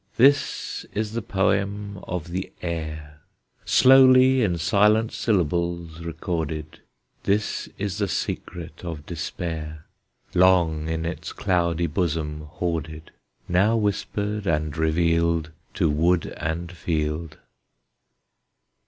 This is the poem of the air, Slowly in silent syllables recorded; This is the secret of despair, Long in its cloudy bosom hoarded, Now whispered and revealed To wood and field.